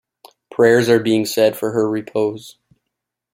Prayers are being said for her repose.